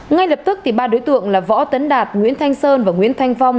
ngay lập tức ba đối tượng là võ tấn đạt nguyễn thanh sơn và nguyễn thanh phong